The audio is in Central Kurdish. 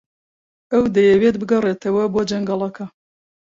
ئەو دەیەوێت بگەڕێتەوە بۆ جەنگەڵەکە.